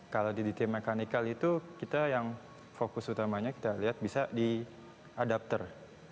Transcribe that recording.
kalau di tim mekanikal itu kita yang fokus utamanya kita lihat bisa di adapter